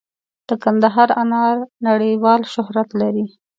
د کندهار انار نړیوال شهرت لري.